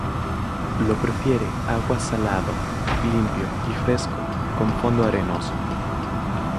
Lo prefiere agua salado, limpio y fresco, con fondo arenoso.